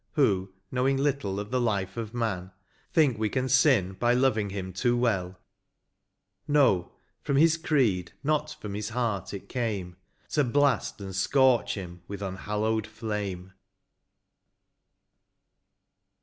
Who, knowing little of the life of man. Think we can sin by loving him too well; No, from his creed, not from his heart, it came, To blast and scorch him with unhallowed flame.